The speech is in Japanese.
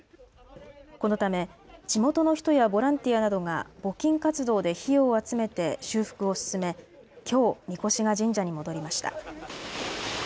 このため、地元の人やボランティアなどが募金活動で費用を集めて修復を進め、きょう、みこしが神社に戻りました。